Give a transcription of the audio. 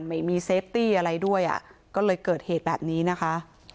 ไม่มีเซฟตี้อะไรด้วยอ่ะก็เลยเกิดเหตุแบบนี้นะคะ